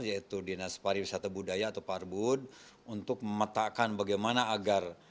yaitu dinas pariwisata budaya atau parbud untuk memetakkan bagaimana agar